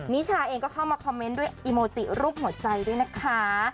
นิชาเองก็เข้ามาคอมเมนต์ด้วยอีโมจิรูปหัวใจด้วยนะคะ